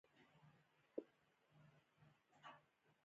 دا کلاګانې د اشرافو د حبس لپاره کارېدلې.